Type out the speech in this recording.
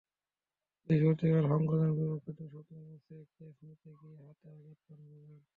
বৃহস্পতিবার হংকংয়ের বিপক্ষে দুঃস্বপ্নের ম্যাচে ক্যাচ নিতে গিয়ে হাতে আঘাত পান রুবেল।